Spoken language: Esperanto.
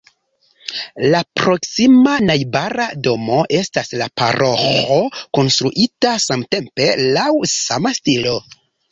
La proksima, najbara domo estas la paroĥo konstruita samtempe laŭ sama stilo.